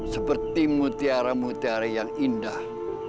seperti mutiara mutiara yang indah